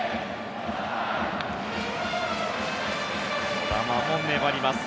児玉も粘ります。